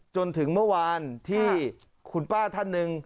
จนถึงเมื่อวานที่คุณป้าท่านหนึ่ง